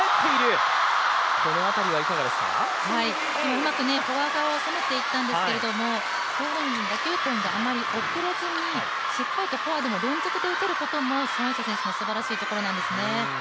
うまくフォア側を攻めていったんですけれども、打球点があまり遅れずにしっかりとフォアでも連続で打てるところも孫エイ莎選手のすばらしいところなんですね。